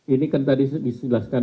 ini kan tadi disjelaskan